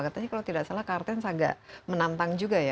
katanya kalau tidak salah kartens agak menantang juga ya